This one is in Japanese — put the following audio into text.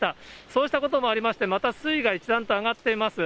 そうしたこともありまして、また水位が一段と上がっています。